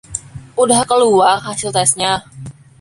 udah keluar hasil testnya?